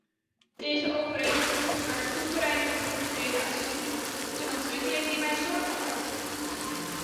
Deze overeenkomst beperkt soevereine bevoegdheden aanzienlijk, een ontwikkeling die mij zorgen baart.